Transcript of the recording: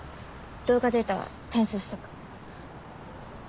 動画データは転送しとく。